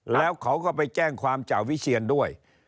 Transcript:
แล้วเขาก็ไปแจ้งความจ่าวิเชียนด้วย